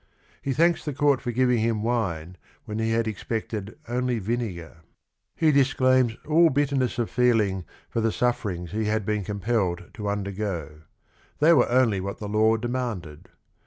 He thanks the court for giving him wine when he had expected only vinegar. He disclaims all bitterness of feeling for the sufferings he had been compelled to undergo: they were only what the law demanded.